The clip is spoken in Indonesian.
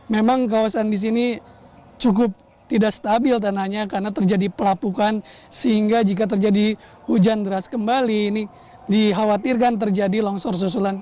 memang kawasan di sini cukup tidak stabil tanahnya karena terjadi pelapukan sehingga jika terjadi hujan deras kembali ini dikhawatirkan terjadi longsor susulan